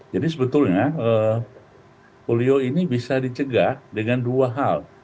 jadi sebetulnya polio ini bisa dicegah dengan dua hal